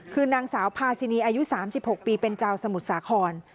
คือนางสาวพาซินีอายุ๓๖ปีเป็นชาวสมุทรสาคร